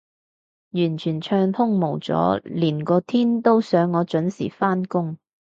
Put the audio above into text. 完全暢通無阻，連個天都想我準時返工